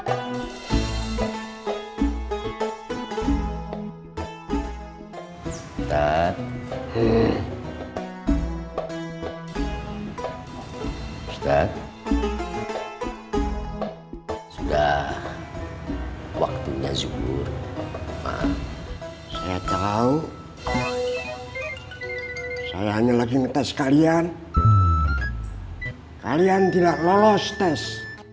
ustadz ustadz sudah waktunya syukur maaf saya tahu saya hanya lagi ngetes kalian kalian tidak lolos tes